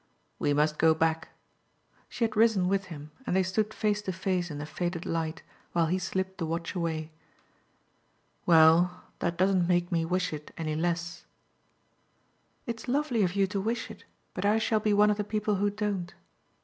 "We must go back." She had risen with him and they stood face to face in the faded light while he slipped the watch away. "Well, that doesn't make me wish it any less." "It's lovely of you to wish it, but I shall be one of the people who don't.